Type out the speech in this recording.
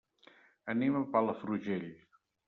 Anem a Palafrugell.